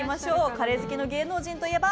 カレー好きの芸能人といえば？